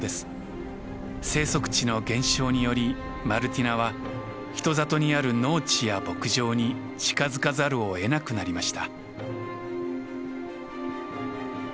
生息地の減少によりマルティナは人里にある農地や牧場に近づかざるを得なくなりました。